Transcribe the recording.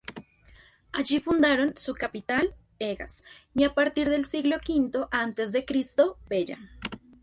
Allí fundaron su capital, Egas y, a partir del siglo V a. C., Pella.